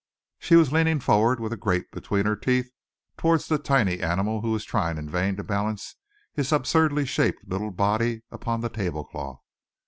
She was leaning forward with a grape between her teeth, towards the tiny animal who was trying in vain to balance his absurdly shaped little body upon the tablecloth.